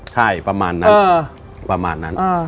ใช่ประมาณนั้น